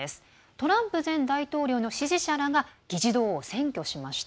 トランプ前大統領の支持者らが議事堂を占拠しました。